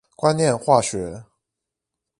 觀念化學